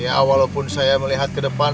ya walaupun saya melihat ke depan